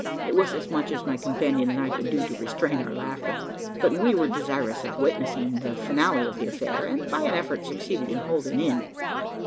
It was as much as my companion and I could do to restrain our laughter; but we were desirous of witnessing the finale of the affair, and, by an effort, succeeded in holding in.